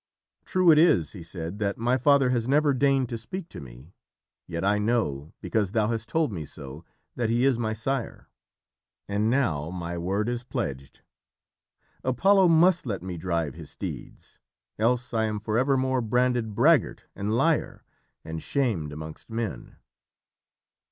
"True it is," he said, "that my father has never deigned to speak to me. Yet I know, because thou hast told me so, that he is my sire. And now my word is pledged. Apollo must let me drive his steeds, else I am for evermore branded braggart and liar, and shamed amongst men."